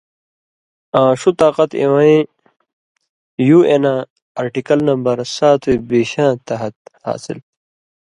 آں ݜُو طاقت اِوَیں یُو اېنا آرٹیکل نمبر ساتوئیں بیشاں تحت حاصل تھی۔